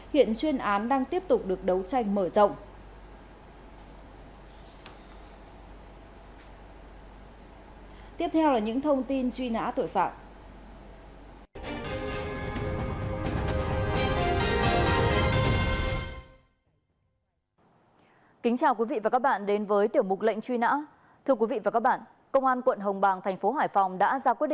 hiện chuyên án đang tiếp tục được đấu tranh mở rộng